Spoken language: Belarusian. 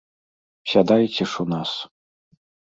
Сядайце ж у нас.